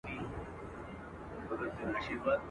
د لېوه ستونی فارغ سو له هډوکي.